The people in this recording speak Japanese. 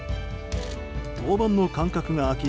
登板の間隔が空き